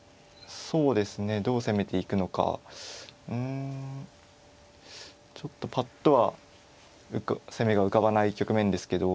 そうですねどう攻めていくのかうんちょっとぱっとは攻めが浮かばない局面ですけど。